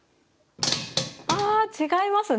あ違いますね！